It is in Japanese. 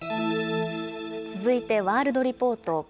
続いてワールドリポート。